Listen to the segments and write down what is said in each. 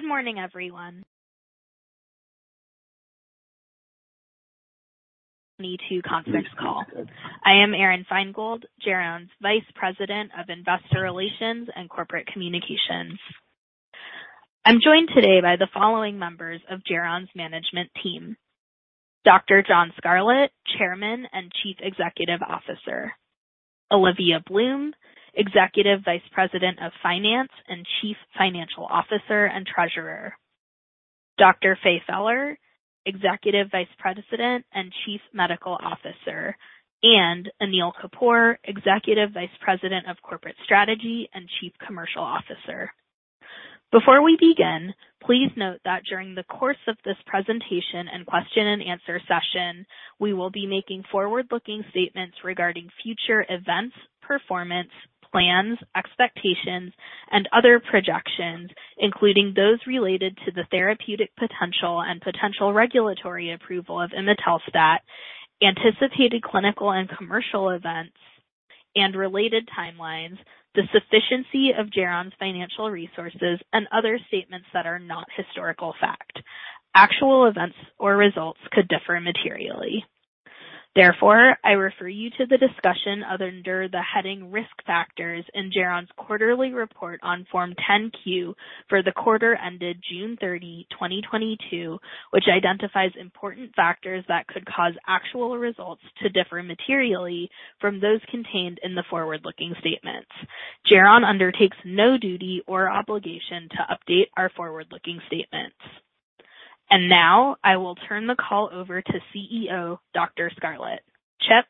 Good morning, everyone. Welcome to Geron's second quarter 2022 conference call. I am Aron Feingold, Geron's Vice President of Investor Relations and Corporate Communications. I'm joined today by the following members of Geron's management team. Dr. John Scarlett, Chairman and Chief Executive Officer. Olivia Bloom, Executive Vice President of Finance and Chief Financial Officer and Treasurer. Dr. Faye Feller, Executive Vice President and Chief Medical Officer, and Anil Kapur, Executive Vice President of Corporate Strategy and Chief Commercial Officer. Before we begin, please note that during the course of this presentation and question and answer session, we will be making forward-looking statements regarding future events, performance, plans, expectations, and other projections, including those related to the therapeutic potential and potential regulatory approval of imetelstat, anticipated clinical and commercial events and related timelines, the sufficiency of Geron's financial resources, and other statements that are not historical fact. Actual events or results could differ materially. Therefore, I refer you to the discussion under the heading Risk Factors in Geron's quarterly report on Form 10-Q for the quarter ended June 30, 2022, which identifies important factors that could cause actual results to differ materially from those contained in the forward-looking statements. Geron undertakes no duty or obligation to update our forward-looking statements. Now I will turn the call over to CEO, Dr. Scarlett. Chip?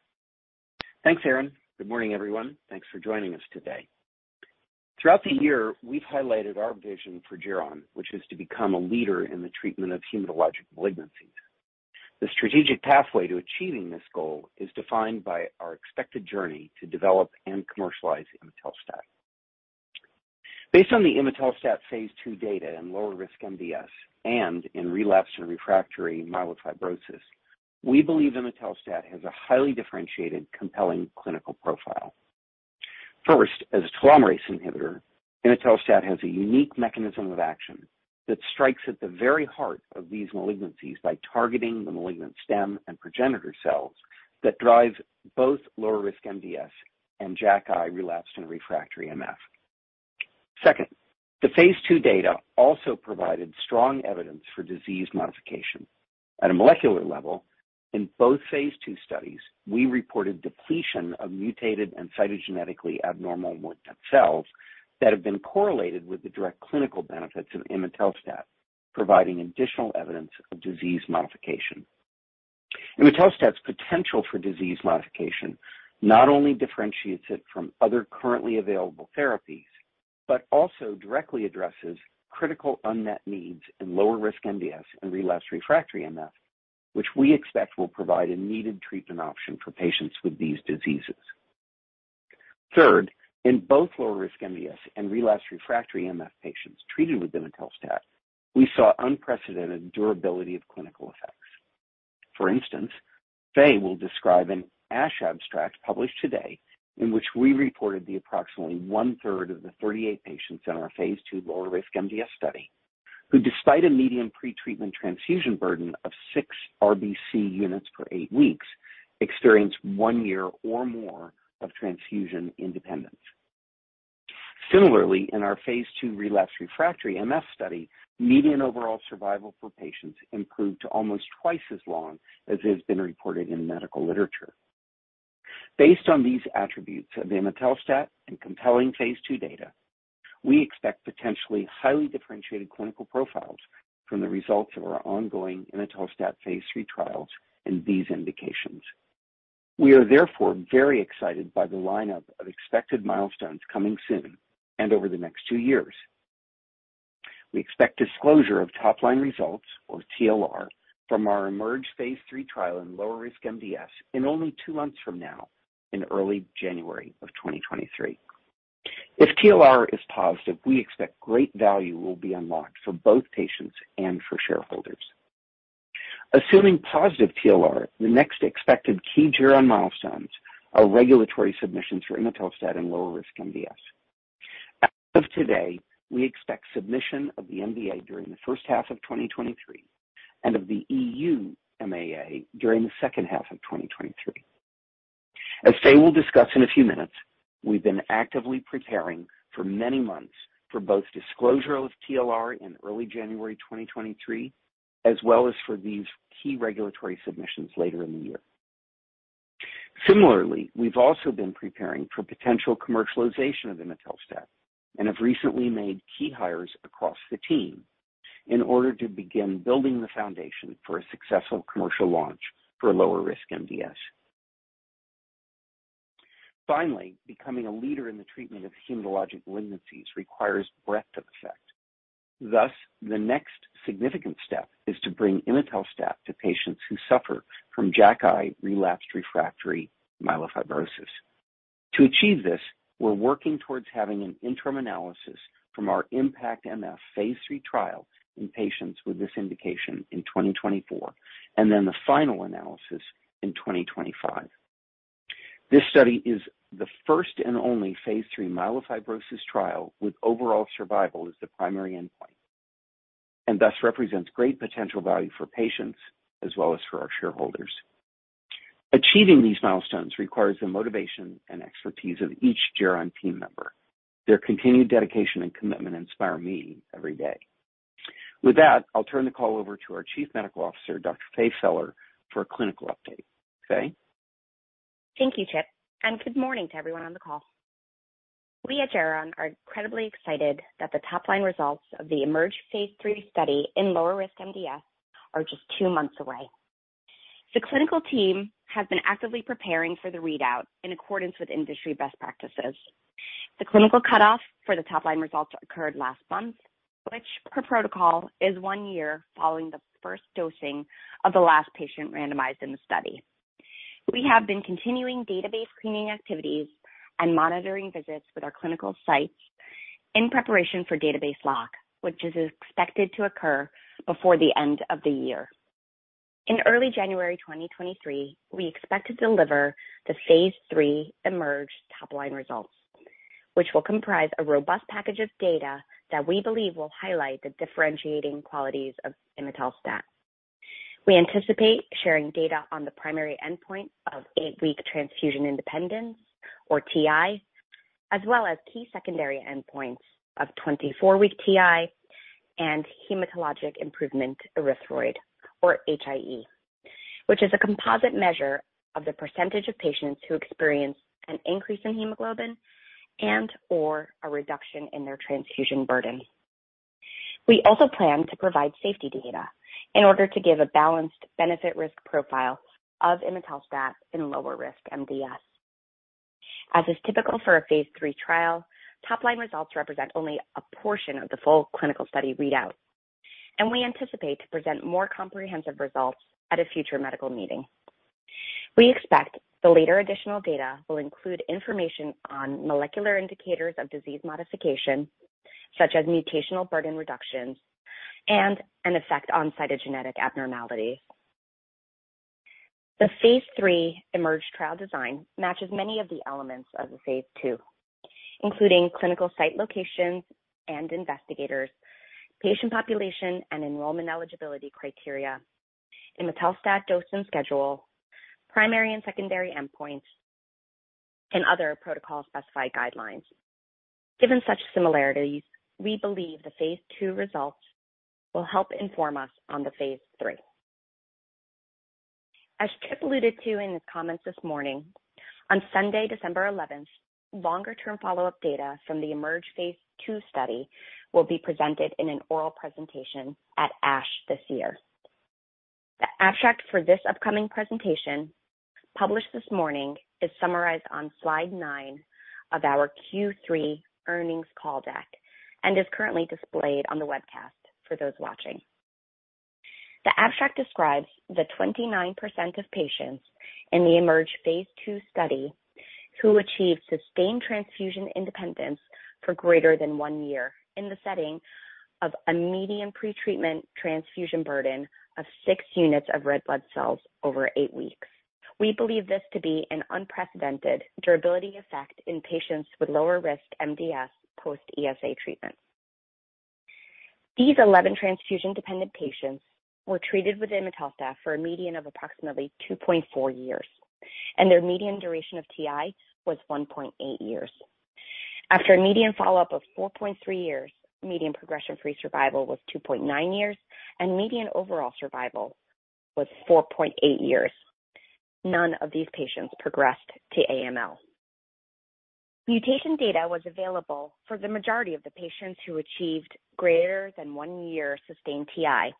Thanks, Aron. Good morning, everyone. Thanks for joining us today. Throughout the year, we've highlighted our vision for Geron, which is to become a leader in the treatment of hematologic malignancies. The strategic pathway to achieving this goal is defined by our expected journey to develop and commercialize imetelstat. Based on the imetelstat phase II data in lower risk MDS and in relapsed and refractory myelofibrosis, we believe imetelstat has a highly differentiated, compelling clinical profile. First, as a telomerase inhibitor, imetelstat has a unique mechanism of action that strikes at the very heart of these malignancies by targeting the malignant stem and progenitor cells that drive both lower risk MDS and JAKi relapsed and refractory MF. Second, the phase II data also provided strong evidence for disease modification. At a molecular level, in both phase II studies, we reported depletion of mutated and cytogenetically abnormal myeloid cells that have been correlated with the direct clinical benefits of imetelstat, providing additional evidence of disease modification. Imetelstat's potential for disease modification not only differentiates it from other currently available therapies, but also directly addresses critical unmet needs in lower-risk MDS and relapsed/refractory MF, which we expect will provide a needed treatment option for patients with these diseases. Third, in both lower-risk MDS and relapsed/refractory MF patients treated with imetelstat, we saw unprecedented durability of clinical effects. For instance, Faye will describe an ASH abstract published today in which we reported approximately one-third of the 38 patients in our phase II lower-risk MDS study, who despite a median pretreatment transfusion burden of six RBC units per eight weeks, experienced one year or more of transfusion independence. Similarly, in our phase II relapsed/refractory MF study, median overall survival for patients improved to almost twice as long as has been reported in medical literature. Based on these attributes of imetelstat and compelling phase II data, we expect potentially highly differentiated clinical profiles from the results of our ongoing imetelstat phase III trials in these indications. We are therefore very excited by the lineup of expected milestones coming soon and over the next 2 years. We expect disclosure of top line results or TLR from our IMerge phase III trial in lower risk MDS in only two months from now in early January 2023. If TLR is positive, we expect great value will be unlocked for both patients and for shareholders. Assuming positive TLR, the next expected key Geron milestones are regulatory submissions for imetelstat and lower risk MDS. As of today, we expect submission of the NDA during the first half of 2023 and of the EU MAA during the second half of 2023. As Faye will discuss in a few minutes, we've been actively preparing for many months for both disclosure of TLR in early January 2023, as well as for these key regulatory submissions later in the year. Similarly, we've also been preparing for potential commercialization of imetelstat and have recently made key hires across the team in order to begin building the foundation for a successful commercial launch for lower risk MDS. Finally, becoming a leader in the treatment of hematologic malignancies requires breadth of effect. Thus, the next significant step is to bring imetelstat to patients who suffer from JAKi-relapsed refractory myelofibrosis. To achieve this, we're working towards having an interim analysis from our IMpactMF phase III trial in patients with this indication in 2024, and then the final analysis in 2025. This study is the first and only phase III myelofibrosis trial with overall survival as the primary endpoint, and thus represents great potential value for patients as well as for our shareholders. Achieving these milestones requires the motivation and expertise of each Geron team member. Their continued dedication and commitment inspire me every day. With that, I'll turn the call over to our Chief Medical Officer, Dr. Faye Feller, for a clinical update. Faye? Thank you, Chip, and good morning to everyone on the call. We at Geron are incredibly excited that the top-line results of the IMerge phase III study in lower-risk MDS are just two months away. The clinical team has been actively preparing for the readout in accordance with industry best practices. The clinical cutoff for the top-line results occurred last month, which, per protocol, is one year following the first dosing of the last patient randomized in the study. We have been continuing database cleaning activities and monitoring visits with our clinical sites in preparation for database lock, which is expected to occur before the end of the year. In early January 2023, we expect to deliver the phase III IMerge top-line results, which will comprise a robust package of data that we believe will highlight the differentiating qualities of imetelstat. We anticipate sharing data on the primary endpoint of eight week transfusion independence, or TI, as well as key secondary endpoints of 24-week TI and hematologic improvement erythroid, or HIE, which is a composite measure of the percentage of patients who experience an increase in hemoglobin and/or a reduction in their transfusion burden. We also plan to provide safety data in order to give a balanced benefit-risk profile of imetelstat in lower-risk MDS. As is typical for a phase III trial, top-line results represent only a portion of the full clinical study readout, and we anticipate to present more comprehensive results at a future medical meeting. We expect the later additional data will include information on molecular indicators of disease modification, such as mutational burden reductions and an effect on cytogenetic abnormalities. The phase III IMerge trial design matches many of the elements of the phase II, including clinical site locations and investigators, patient population and enrollment eligibility criteria, imetelstat dose and schedule, primary and secondary endpoints, and other protocol-specified guidelines. Given such similarities, we believe the phase II results will help inform us on the phase III. As Chip alluded to in his comments this morning, on Sunday, December 11, longer-term follow-up data from the IMerge phase II study will be presented in an oral presentation at ASH this year. The abstract for this upcoming presentation, published this morning, is summarized on slide nine of our Q3 earnings call deck and is currently displayed on the webcast for those watching. The abstract describes the 29% of patients in the IMerge Phase Two study who achieved sustained transfusion independence for greater than 1 year in the setting of a median pretreatment transfusion burden of six units of red blood cells over eight weeks. We believe this to be an unprecedented durability effect in patients with lower-risk MDS post-ESA treatment. These 11 transfusion-dependent patients were treated with imetelstat for a median of approximately 2.4 years, and their median duration of TI was 1.8 years. After a median follow-up of 4.3 years, median progression-free survival was 2.9 years, and median overall survival was 4.8 years. None of these patients progressed to AML. Mutation data was available for the majority of the patients who achieved greater than one year sustained TI,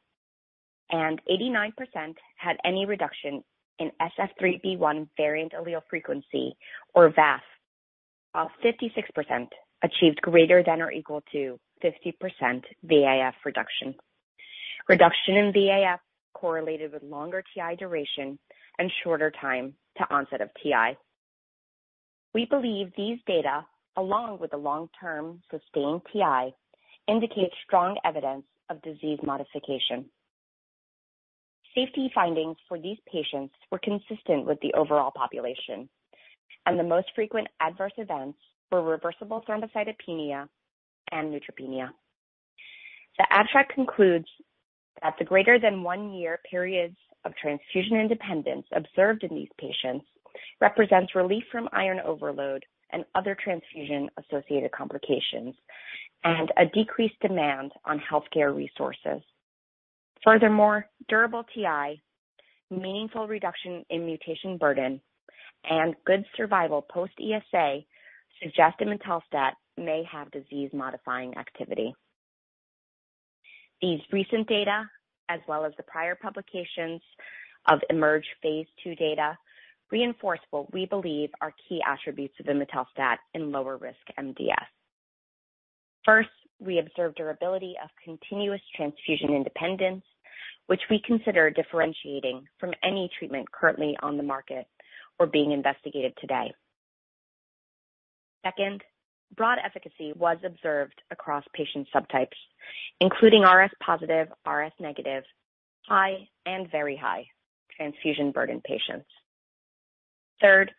and 89% had any reduction in SF3B1 variant allele frequency or VAF, while 56% achieved greater than or equal to 50% VAF reduction. Reduction in VAF correlated with longer TI duration and shorter time to onset of TI. We believe these data, along with the long-term sustained TI, indicate strong evidence of disease modification. Safety findings for these patients were consistent with the overall population, and the most frequent adverse events were reversible thrombocytopenia and neutropenia. The abstract concludes that the greater than one year periods of transfusion independence observed in these patients represents relief from iron overload and other transfusion-associated complications and a decreased demand on healthcare resources. Furthermore, durable TI, meaningful reduction in mutation burden, and good survival post-ESA suggest imetelstat may have disease-modifying activity. These recent data, as well as the prior publications of IMerge phase II data, reinforce what we believe are key attributes of imetelstat in lower-risk MDS. First, we observe durability of continuous transfusion independence, which we consider differentiating from any treatment currently on the market or being investigated today. Second, broad efficacy was observed across patient subtypes, including RS-positive, RS-negative, high and very high transfusion burden patients. Third,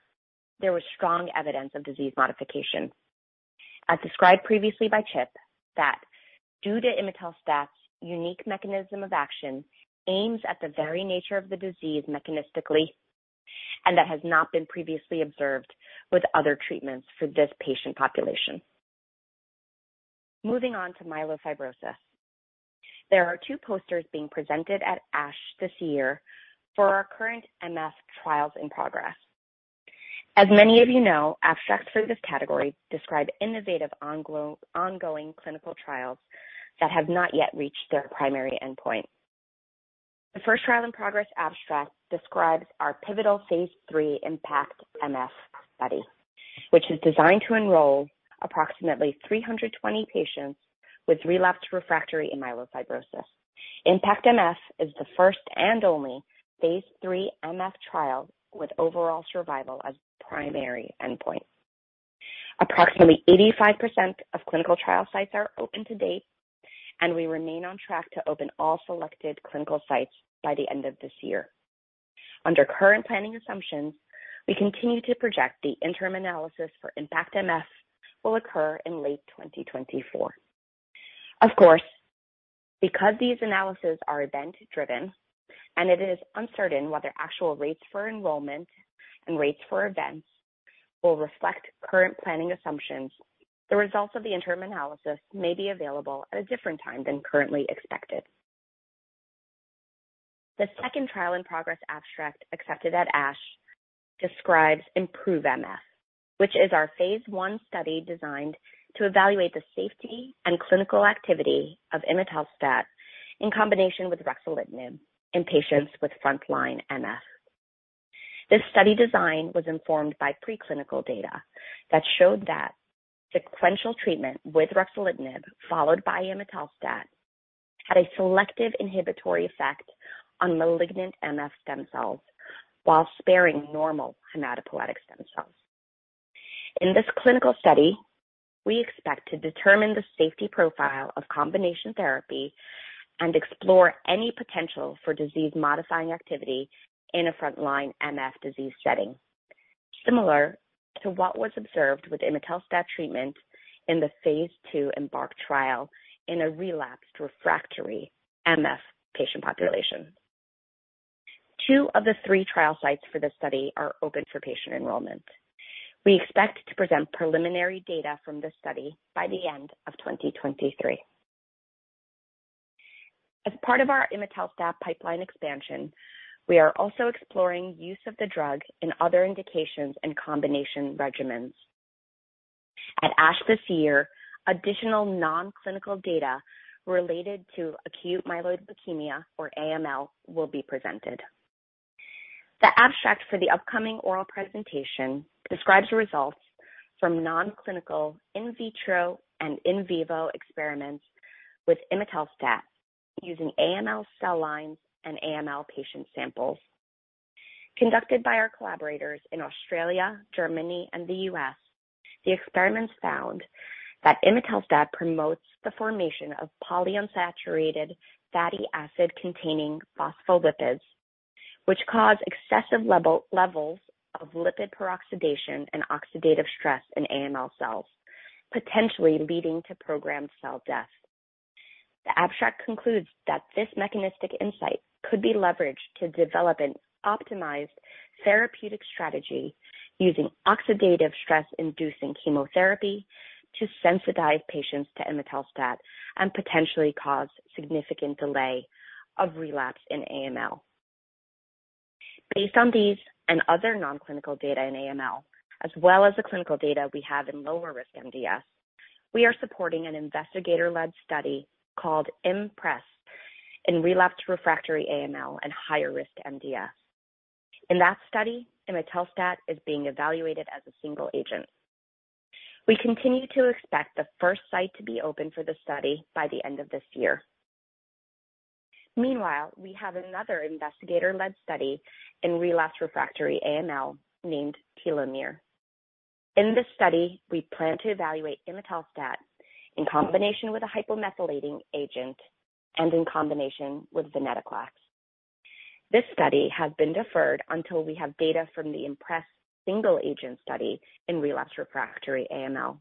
there was strong evidence of disease modification as described previously by Chip that due to imetelstat's unique mechanism of action aims at the very nature of the disease mechanistically, and that has not been previously observed with other treatments for this patient population. Moving on to myelofibrosis. There are two posters being presented at ASH this year for our current MF trials in progress. As many of you know, abstracts for this category describe innovative ongoing clinical trials that have not yet reached their primary endpoint. The first trial in progress abstract describes our pivotal phase III IMpactMF study, which is designed to enroll approximately 320 patients with relapsed/refractory myelofibrosis. IMpactMF is the first and only phase III MF trial with overall survival as the primary endpoint. Approximately 85% of clinical trial sites are open to date, and we remain on track to open all selected clinical sites by the end of this year. Under current planning assumptions, we continue to project the interim analysis for IMpactMF will occur in late 2024. Of course, because these analyses are event-driven and it is uncertain whether actual rates for enrollment and rates for events will reflect current planning assumptions, the results of the interim analysis may be available at a different time than currently expected. The second trial in progress abstract accepted at ASH describes IMproveMF, which is our phase I study designed to evaluate the safety and clinical activity of imetelstat in combination with ruxolitinib in patients with frontline MF. This study design was informed by preclinical data that showed that sequential treatment with ruxolitinib followed by imetelstat had a selective inhibitory effect on malignant MF stem cells while sparing normal hematopoietic stem cells. In this clinical study, we expect to determine the safety profile of combination therapy and explore any potential for disease-modifying activity in a frontline MF disease setting, similar to what was observed with imetelstat treatment in the phase II IMbark trial in a relapsed/refractory MF patient population. Two of the three trial sites for this study are open for patient enrollment. We expect to present preliminary data from this study by the end of 2023. As part of our imetelstat pipeline expansion, we are also exploring use of the drug in other indications and combination regimens. At ASH this year, additional non-clinical data related to acute myeloid leukemia, or AML, will be presented. The abstract for the upcoming oral presentation describes the results from non-clinical in vitro and in vivo experiments with imetelstat using AML cell lines and AML patient samples. Conducted by our collaborators in Australia, Germany, and the U.S., the experiments found that imetelstat promotes the formation of polyunsaturated fatty acid-containing phospholipids, which cause excessive levels of lipid peroxidation and oxidative stress in AML cells, potentially leading to programmed cell death. The abstract concludes that this mechanistic insight could be leveraged to develop an optimized therapeutic strategy using oxidative stress-inducing chemotherapy to sensitize patients to imetelstat and potentially cause significant delay of relapse in AML. Based on these and other non-clinical data in AML, as well as the clinical data we have in lower-risk MDS, we are supporting an investigator-led study called IMpress in relapsed/refractory AML and higher-risk MDS. In that study, imetelstat is being evaluated as a single agent. We continue to expect the first site to be open for the study by the end of this year. Meanwhile, we have another investigator-led study in relapsed/refractory AML named TELOMERE. In this study, we plan to evaluate imetelstat in combination with a hypomethylating agent and in combination with venetoclax. This study has been deferred until we have data from the IMpress single-agent study in relapsed/refractory AML.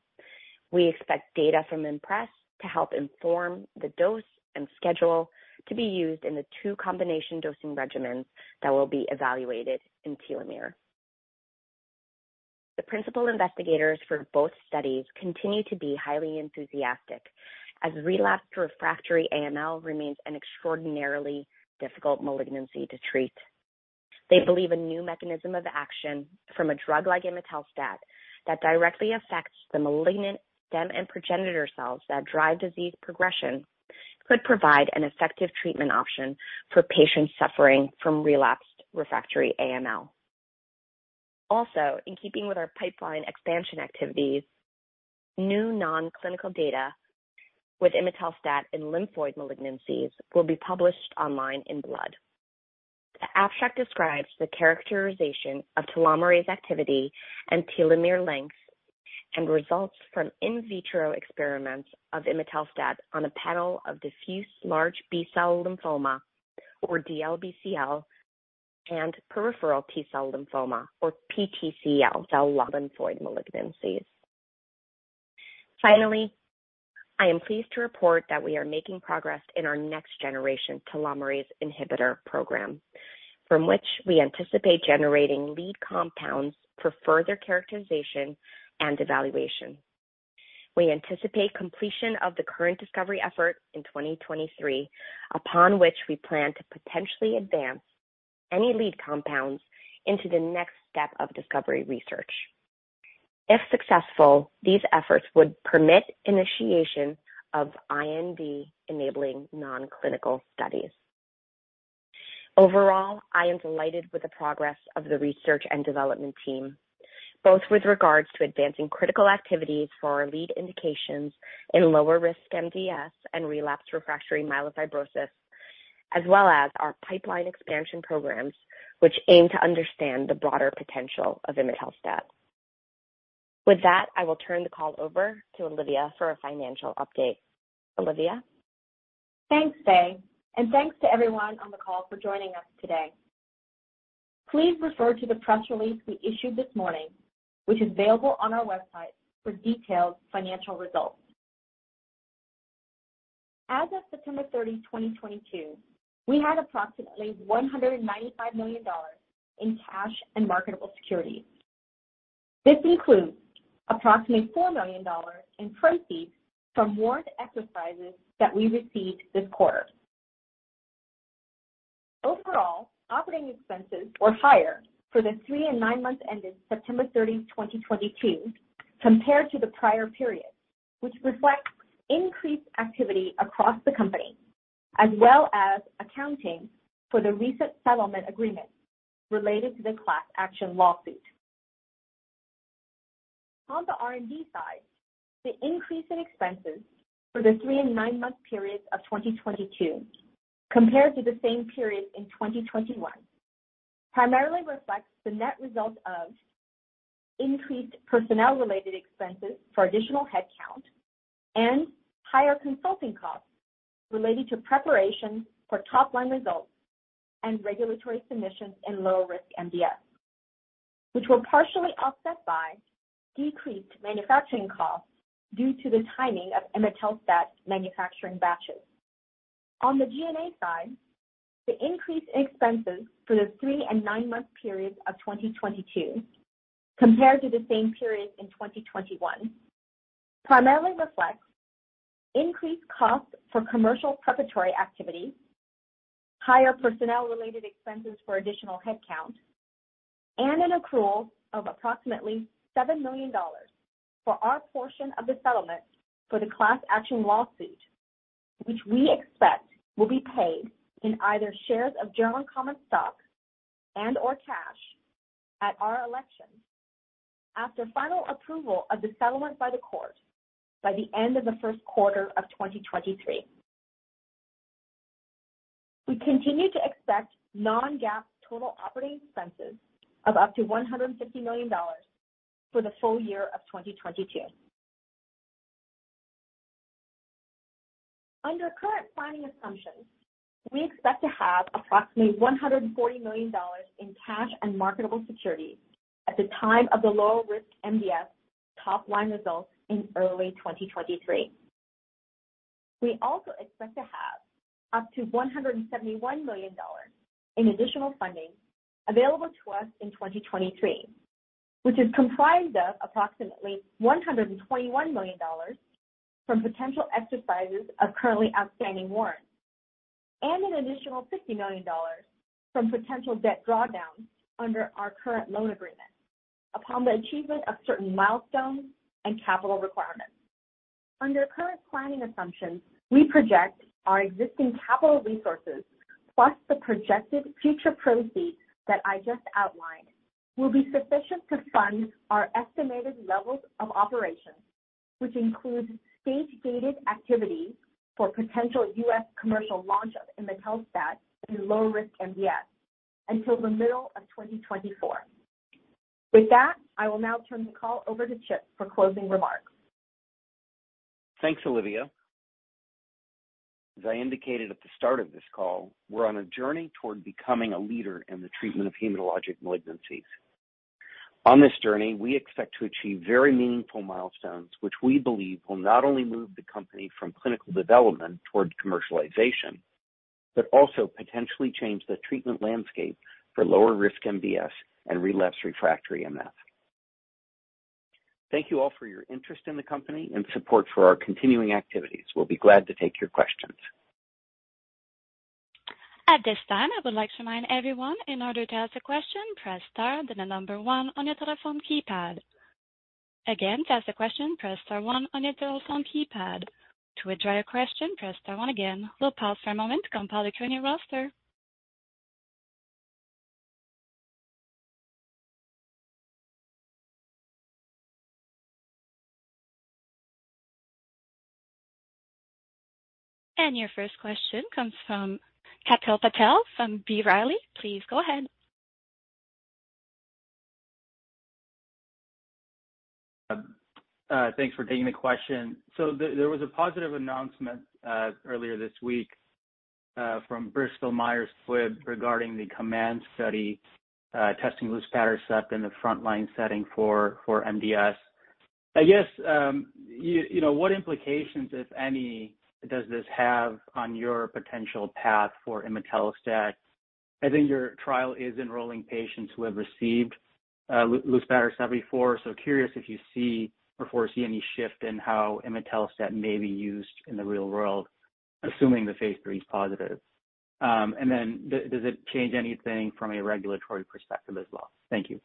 We expect data from IMpress to help inform the dose and schedule to be used in the two combination dosing regimens that will be evaluated in TELOMERE. The principal investigators for both studies continue to be highly enthusiastic as relapsed/refractory AML remains an extraordinarily difficult malignancy to treat. They believe a new mechanism of action from a drug like imetelstat that directly affects the malignant stem and progenitor cells that drive disease progression could provide an effective treatment option for patients suffering from relapsed/refractory AML. Also, in keeping with our pipeline expansion activities, new non-clinical data with imetelstat in lymphoid malignancies will be published online in Blood. The abstract describes the characterization of telomerase activity and telomere length and results from in vitro experiments of imetelstat on a panel of diffuse large B-cell lymphoma or DLBCL and peripheral T-cell lymphoma or PTCL cell lymphoid malignancies. Finally, I am pleased to report that we are making progress in our next generation telomerase inhibitor program, from which we anticipate generating lead compounds for further characterization and evaluation. We anticipate completion of the current discovery effort in 2023, upon which we plan to potentially advance any lead compounds into the next step of discovery research. If successful, these efforts would permit initiation of IND-enabling non-clinical studies. Overall, I am delighted with the progress of the research and development team, both with regards to advancing critical activities for our lead indications in lower-risk MDS and relapsed/refractory myelofibrosis, as well as our pipeline expansion programs, which aim to understand the broader potential of imetelstat. With that, I will turn the call over to Olivia for a financial update. Olivia. Thanks, Faye, and thanks to everyone on the call for joining us today. Please refer to the press release we issued this morning, which is available on our website for detailed financial results. As of September 30, 2022, we had approximately $195 million in cash and marketable securities. This includes approximately $4 million in proceeds from warrant exercises that we received this quarter. Overall, operating expenses were higher for the three and nine months ended September 30, 2022, compared to the prior period, which reflects increased activity across the company, as well as accounting for the recent settlement agreement related to the class action lawsuit. On the R&D side, the increase in expenses for the three and nine month periods of 2022 compared to the same period in 2021 primarily reflects the net result of increased personnel-related expenses for additional headcount and higher consulting costs related to preparation for top-line results and regulatory submissions in lower-risk MDS, which were partially offset by decreased manufacturing costs due to the timing of imetelstat manufacturing batches. On the G&A side, the increase in expenses for the three- and nine-month periods of 2022 compared to the same period in 2021 primarily reflects increased costs for commercial preparatory activities, higher personnel-related expenses for additional headcount, and an accrual of approximately $7 million for our portion of the settlement for the class action lawsuit, which we expect will be paid in either shares of Geron common stock and/or cash at our election after final approval of the settlement by the court by the end of the first quarter of 2023. We continue to expect non-GAAP total operating expenses of up to $150 million for the full year of 2022. Under current planning assumptions, we expect to have approximately $140 million in cash and marketable securities at the time of the lower-risk MDS top-line results in early 2023. We also expect to have up to $171 million in additional funding available to us in 2023, which is comprised of approximately $121 million from potential exercises of currently outstanding warrants and an additional $50 million from potential debt drawdowns under our current loan agreement upon the achievement of certain milestones and capital requirements. Under current planning assumptions, we project our existing capital resources, plus the projected future proceeds that I just outlined, will be sufficient to fund our estimated levels of operations, which includes stage-gated activities for potential U.S. commercial launch of imetelstat in low-risk MDS until the middle of 2024. With that, I will now turn the call over to Chip for closing remarks. Thanks, Olivia. As I indicated at the start of this call, we're on a journey toward becoming a leader in the treatment of hematologic malignancies. On this journey, we expect to achieve very meaningful milestones, which we believe will not only move the company from clinical development towards commercialization, but also potentially change the treatment landscape for lower risk MDS and relapsed/refractory MF. Thank you all for your interest in the company and support for our continuing activities. We'll be glad to take your questions. At this time, I would like to remind everyone in order to ask a question, press star, then the number one on your telephone keypad. Again, to ask a question, press star one on your telephone keypad. To withdraw your question, press star one again. We'll pause for a moment to compile the current roster. Your first question comes from Kalpit Patel from B. Riley. Please go ahead. Thanks for taking the question. There was a positive announcement earlier this week from Bristol Myers Squibb regarding the COMMANDS study testing luspatercept in the frontline setting for MDS. I guess you know what implications, if any, does this have on your potential path for imetelstat? I think your trial is enrolling patients who have received luspatercept before. Curious if you see or foresee any shift in how imetelstat may be used in the real world, assuming the phase III is positive. Does it change anything from a regulatory perspective as well? Thank you.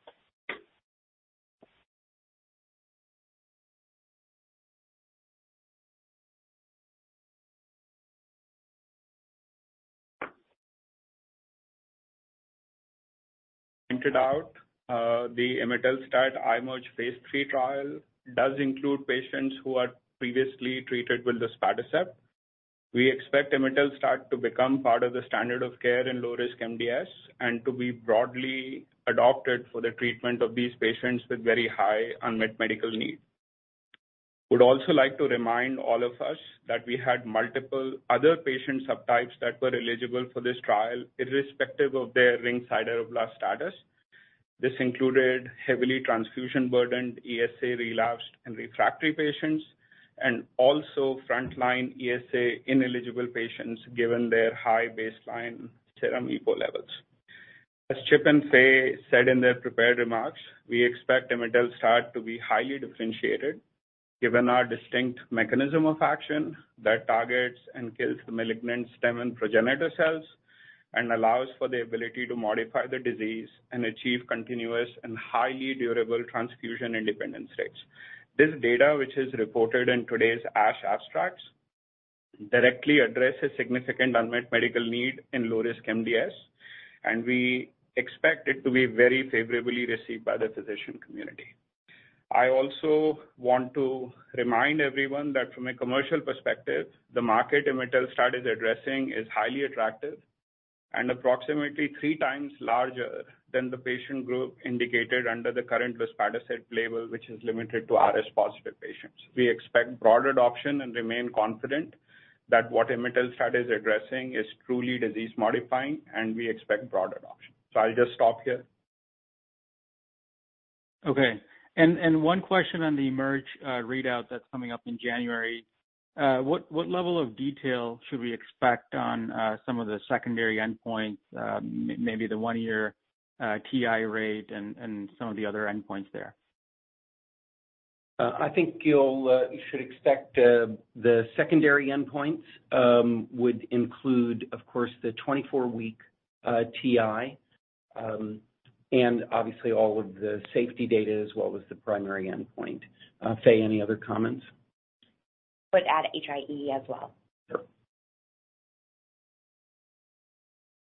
Pointed out, the imetelstat IMerge phase III trial does include patients who are previously treated with luspatercept. We expect imetelstat to become part of the standard of care in low risk MDS and to be broadly adopted for the treatment of these patients with very high unmet medical needs. Would also like to remind all of us that we had multiple other patient subtypes that were eligible for this trial, irrespective of their ring sideroblast status. This included heavily transfusion-burdened ESA relapsed and refractory patients and also frontline ESA-ineligible patients, given their high baseline serum EPO levels. As Chip and Faye said in their prepared remarks, we expect imetelstat to be highly differentiated given our distinct mechanism of action that targets and kills the malignant stem and progenitor cells and allows for the ability to modify the disease and achieve continuous and highly durable transfusion independence rates. This data, which is reported in today's ASH abstracts, directly addresses significant unmet medical need in low risk MDS, and we expect it to be very favorably received by the physician community. I also want to remind everyone that from a commercial perspective, the market imetelstat is addressing is highly attractive and approximately three times larger than the patient group indicated under the current luspatercept label, which is limited to RS-positive patients. We expect broad adoption and remain confident that what imetelstat is addressing is truly disease modifying, and we expect broad adoption. I'll just stop here. One question on the IMerge readout that's coming up in January. What level of detail should we expect on some of the secondary endpoints, maybe the one-year TI rate and some of the other endpoints there? I think you should expect the secondary endpoints would include, of course, the 24-week TI, and obviously all of the safety data as well as the primary endpoint. Faye, any other comments? Would add HIE as well. Sure.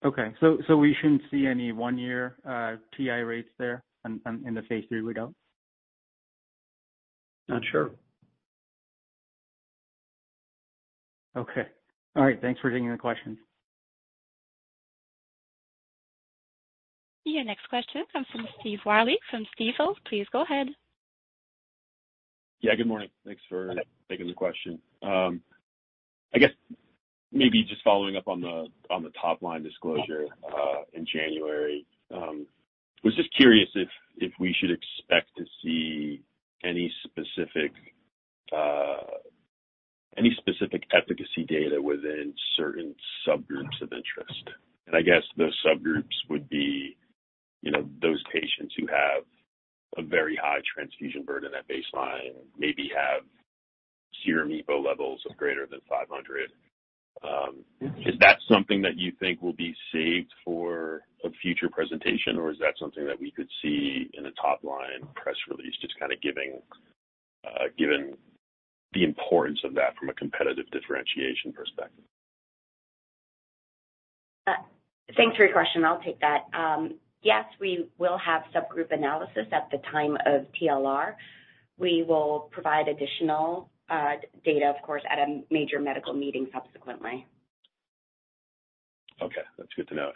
Okay. We shouldn't see any one year TI rates there on in the phase III readout? Not sure. Okay. All right. Thanks for taking the questions. Your next question comes from Steve Willey from Stifel. Please go ahead. Yeah, good morning. Thanks for taking the question. Hi. I guess maybe just following up on the top-line disclosure in January. I was just curious if we should expect to see any specific efficacy data within certain subgroups of interest. I guess those subgroups would be, you know, those patients who have a very high transfusion burden at baseline, maybe have serum EPO levels of greater than 500. Is that something that you think will be saved for a future presentation, or is that something that we could see in a top-line press release, just kind of giving, given the importance of that from a competitive differentiation perspective? Thanks for your question. I'll take that. Yes, we will have subgroup analysis at the time of TLR. We will provide additional data, of course, at a major medical meeting subsequently. Okay. That's good to know.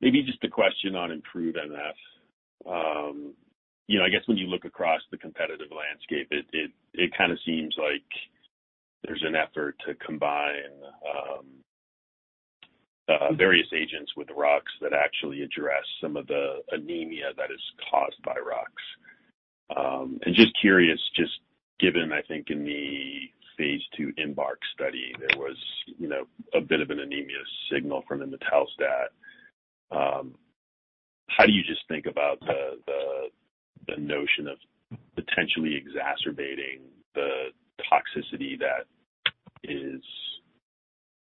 Maybe just a question on IMproveMF. You know, I guess when you look across the competitive landscape, it kind of seems like there's an effort to combine various agents with rux that actually address some of the anemia that is caused by rux. Just curious, just given, I think in the phase II IMbark study, there was, you know, a bit of an anemia signal from imetelstat. How do you just think about the notion of potentially exacerbating the toxicity that is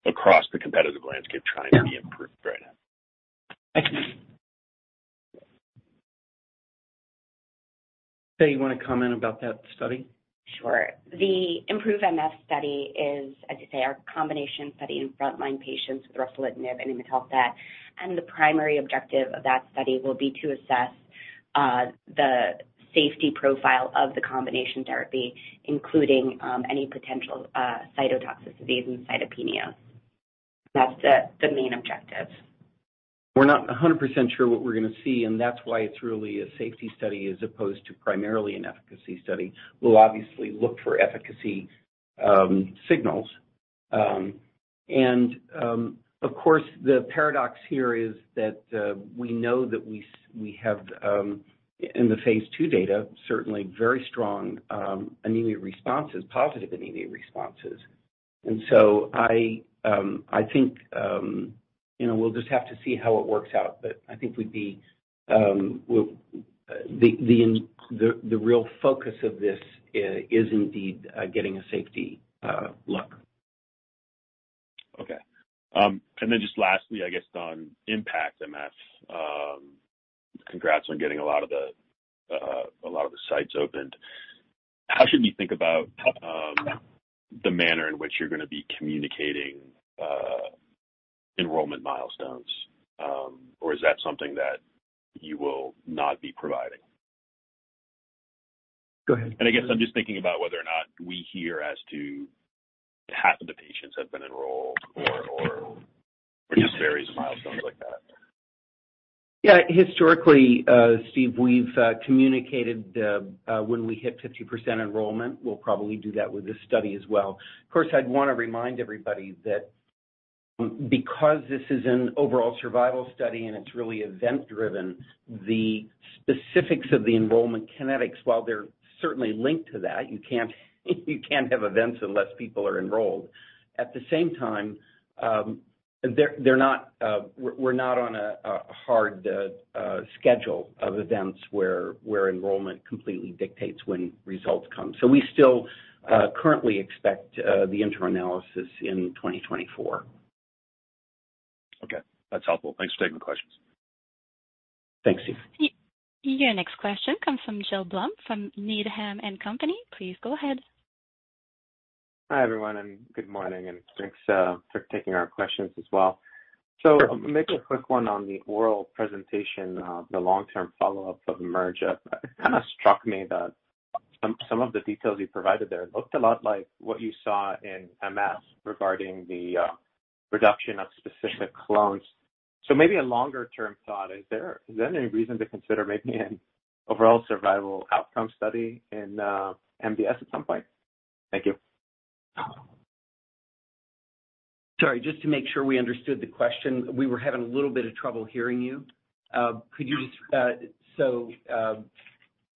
across the competitive landscape trying to be improved right now? Faye, you wanna comment about that study? Sure. The IMproveMF study is, as you say, our combination study in frontline patients with ruxolitinib and imetelstat, and the primary objective of that study will be to assess the safety profile of the combination therapy, including any potential cytotoxicity disease and cytopenias. That's the main objective. We're not 100% sure what we're gonna see, and that's why it's really a safety study as opposed to primarily an efficacy study. We'll obviously look for efficacy signals. Of course, the paradox here is that we know that we have in the phase II data certainly very strong anemia responses, positive anemia responses. I think, you know, we'll just have to see how it works out. I think the real focus of this is indeed getting a safety look. Okay. Just lastly, I guess on IMpactMF, congrats on getting a lot of the sites opened. How should we think about the manner in which you're gonna be communicating enrollment milestones? Is that something that you will not be providing? Go ahead. I guess I'm just thinking about whether or not we hear as to half of the patients have been enrolled or just various milestones like that. Yeah. Historically, Steve, we've communicated when we hit 50% enrollment. We'll probably do that with this study as well. Of course, I'd wanna remind everybody that because this is an overall survival study and it's really event-driven, the specifics of the enrollment kinetics, while they're certainly linked to that, you can't have events unless people are enrolled. At the same time, we're not on a hard schedule of events where enrollment completely dictates when results come. We still currently expect the interim analysis in 2024. Okay. That's helpful. Thanks for taking the questions. Thanks, Steve. Your next question comes from Gil Blum from Needham & Company. Please go ahead. Hi, everyone, and good morning, and thanks for taking our questions as well. Sure. Maybe a quick one on the oral presentation, the long-term follow-up of IMerge. It kinda struck me that some of the details you provided there looked a lot like what you saw in MDS regarding the reduction of specific clones. Maybe a longer-term thought. Is there any reason to consider maybe an overall survival outcome study in MDS at some point? Thank you. Sorry, just to make sure we understood the question, we were having a little bit of trouble hearing you.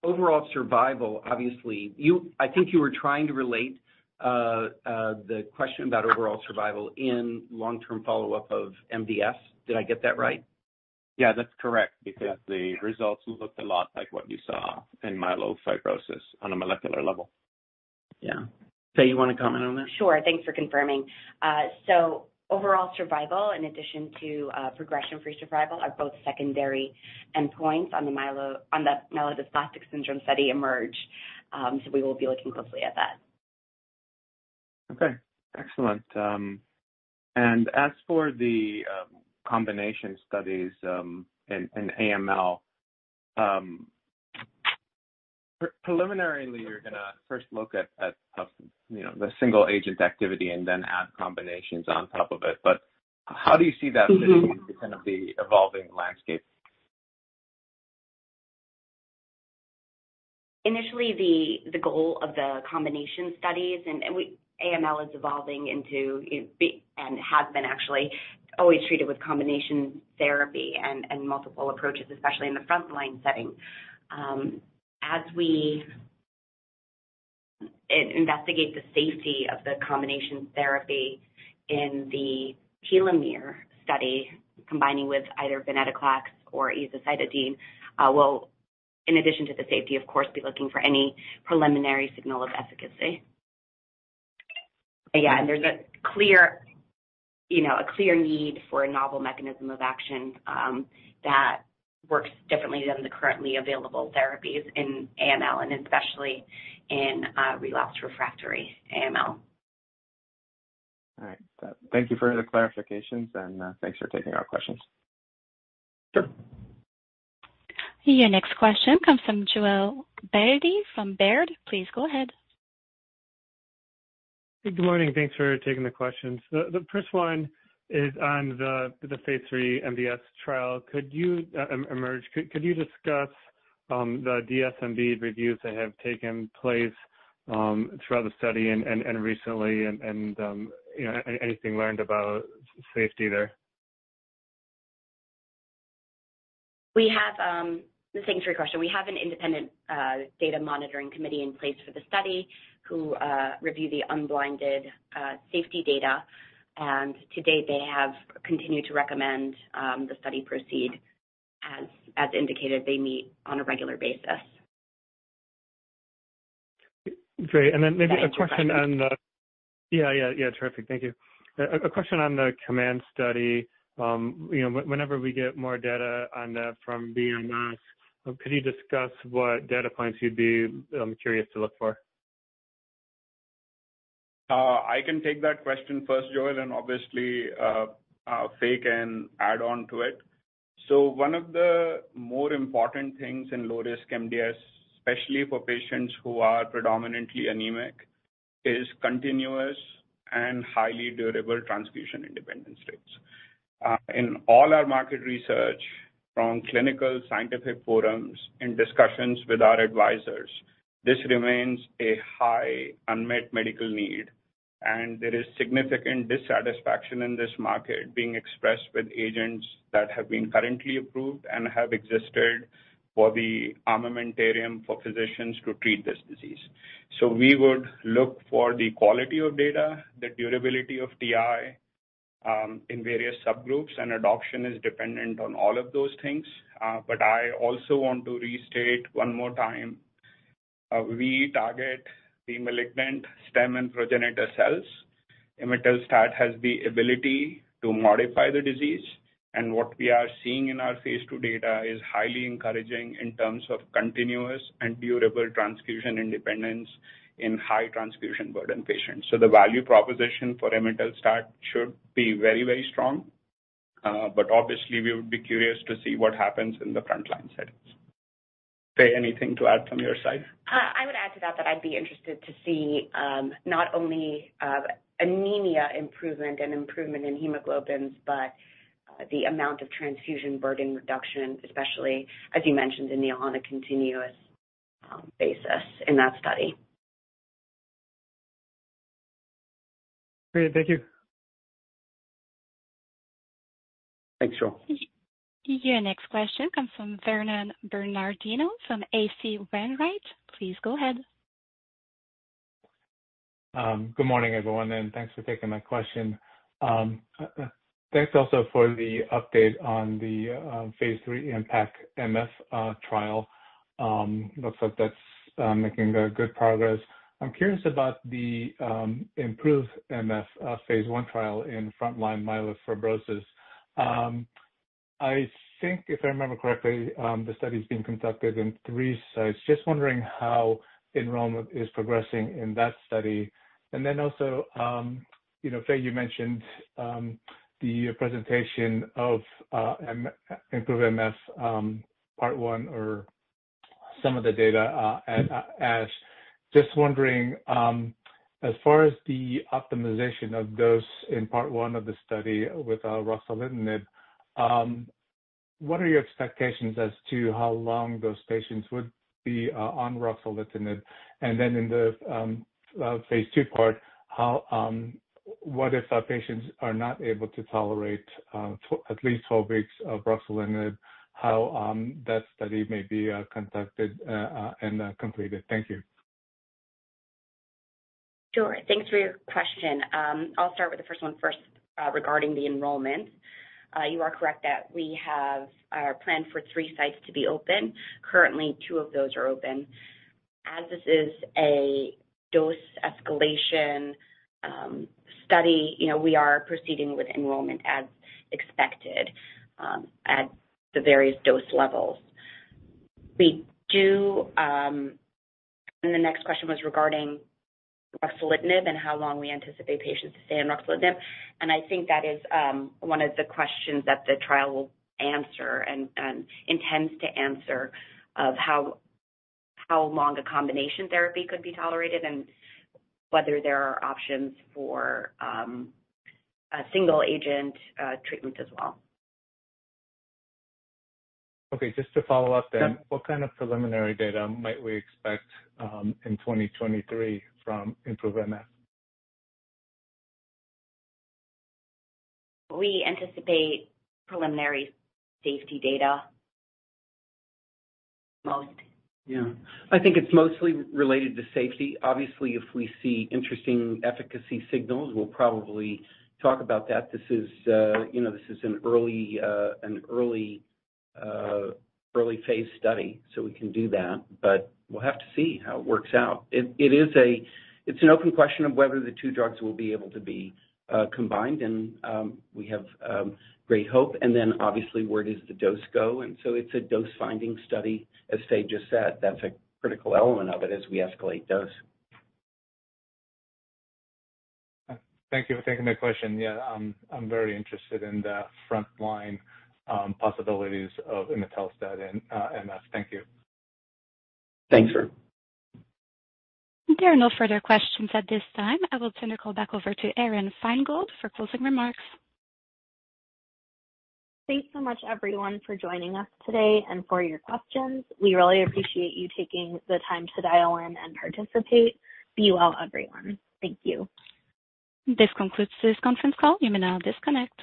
Overall survival, obviously I think you were trying to relate the question about overall survival in long-term follow-up of MDS. Did I get that right? Yeah, that's correct. Yeah. The results looked a lot like what you saw in myelofibrosis on a molecular level. Yeah. Faye, you wanna comment on that? Sure. Thanks for confirming. Overall survival in addition to progression-free survival are both secondary endpoints on the myelodysplastic syndrome study IMerge. We will be looking closely at that. Okay. Excellent. As for the combination studies in AML, preliminarily, you're gonna first look at you know, the single agent activity and then add combinations on top of it. How do you see that? Mm-hmm Fitting into kind of the evolving landscape? Initially, the goal of the combination studies in AML is evolving into it being and has been actually always treated with combination therapy and multiple approaches, especially in the frontline setting. As we investigate the safety of the combination therapy in the TELOMERE study, combining with either venetoclax or azacitidine, we'll, in addition to the safety, of course, be looking for any preliminary signal of efficacy. Yeah. There's a clear, you know, a clear need for a novel mechanism of action that works differently than the currently available therapies in AML and especially in relapsed/refractory AML. All right. Thank you for the clarifications, and thanks for taking our questions. Sure. Your next question comes from Joel Beatty from Baird. Please go ahead. Good morning. Thanks for taking the questions. The first one is on the phase III MDS trial. Could you discuss the DSMB reviews that have taken place throughout the study and recently, you know, anything learned about safety there? We have. Thanks for your question. We have an independent data monitoring committee in place for the study who review the unblinded safety data. To date, they have continued to recommend the study proceed. As indicated, they meet on a regular basis. Great. Maybe a question on the. Does that answer your question? Yeah. Terrific. Thank you. A question on the COMMANDS study. You know, whenever we get more data from BMS, could you discuss what data points you'd be curious to look for? I can take that question first, Joel, and obviously, Faye can add on to it. One of the more important things in low-risk MDS, especially for patients who are predominantly anemic, is continuous and highly durable transfusion independence rates. In all our market research from clinical scientific forums and discussions with our advisors, this remains a high unmet medical need, and there is significant dissatisfaction in this market being expressed with agents that have been currently approved and have existed for the armamentarium for physicians to treat this disease. We would look for the quality of data, the durability of TI, in various subgroups, and adoption is dependent on all of those things. I also want to restate one more time, we target the malignant stem and progenitor cells. Imetelstat has the ability to modify the disease, and what we are seeing in our phase II data is highly encouraging in terms of continuous and durable transfusion independence in high transfusion burden patients. The value proposition for imetelstat should be very, very strong. Obviously we would be curious to see what happens in the frontline settings. Faye, anything to add from your side? I would add to that that I'd be interested to see not only anemia improvement and improvement in hemoglobins but the amount of transfusion burden reduction, especially as you mentioned, on a continuous basis in that study. Great. Thank you. Thanks, Joel. Your next question comes from Vernon Bernardino from H.C. Wainwright. Please go ahead. Good morning, everyone, and thanks for taking my question. Thanks also for the update on the phase III IMpactMF trial. Looks like that's making very good progress. I'm curious about the IMproveMF phase I trial in frontline myelofibrosis. I think if I remember correctly, the study's being conducted in three sites. Just wondering how enrollment is progressing in that study. Also, you know, Faye, you mentioned the presentation of IMproveMF part one or some of the data at ASH. Just wondering as far as the optimization of dose in part one of the study with ruxolitinib what are your expectations as to how long those patients would be on ruxolitinib? In the phase II part, what if our patients are not able to tolerate at least 4 weeks of ruxolitinib, how that study may be conducted and completed? Thank you. Sure. Thanks for your question. I'll start with the first one first, regarding the enrollment. You are correct that we have planned for three sites to be open. Currently, two of those are open. As this is a dose escalation study, you know, we are proceeding with enrollment as expected at the various dose levels. The next question was regarding ruxolitinib and how long we anticipate patients to stay on ruxolitinib, and I think that is one of the questions that the trial will answer and intends to answer of how long a combination therapy could be tolerated and whether there are options for a single agent treatment as well. Okay. Just to follow up then. Yep. What kind of preliminary data might we expect in 2023 from IMproveMF? We anticipate preliminary safety data most. Yeah. I think it's mostly related to safety. Obviously, if we see interesting efficacy signals, we'll probably talk about that. This is an early phase study, so we can do that, but we'll have to see how it works out. It's an open question of whether the two drugs will be able to be combined and we have great hope. Obviously, where does the dose go? It's a dose-finding study, as Faye just said. That's a critical element of it as we escalate dose. Thank you for taking my question. Yeah. I'm very interested in the frontline possibilities of imetelstat in MF. Thank you. Thanks, Vernon. There are no further questions at this time. I will turn the call back over to Aron Feingold for closing remarks. Thanks so much, everyone, for joining us today and for your questions. We really appreciate you taking the time to dial in and participate. Be well, everyone. Thank you. This concludes this conference call. You may now disconnect.